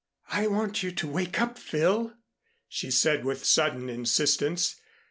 "I want you to wake up, Phil," she said with sudden insistence.